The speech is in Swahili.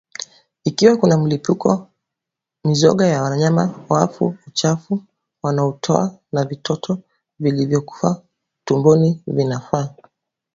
Ikiwa kuna mlipuko mizoga ya wanyama wafu uchafu wanaoutoa na vitoto vilivyokufa tumboni vinafaa